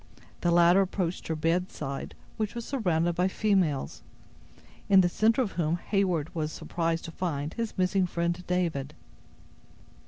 The latter approached her bedside, which was surrounded by females, in the center of whom Heyward was surprised to find his missing friend David.